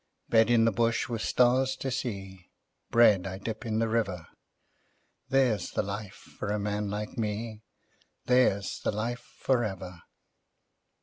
Bed in the bush with stars to see, Bread I dip in the river There's the life for a man like me, There's the life for ever.